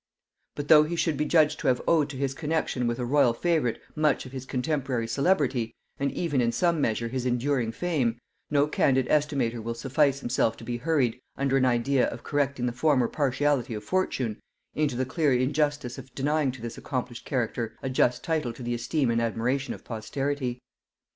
But though he should be judged to have owed to his connexion with a royal favorite much of his contemporary celebrity, and even in some measure his enduring fame, no candid estimator will suffer himself to be hurried, under an idea of correcting the former partiality of fortune, into the clear injustice of denying to this accomplished character a just title to the esteem and admiration of posterity.